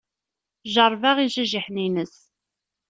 Jeṛṛebeɣ ijajiḥen-ines.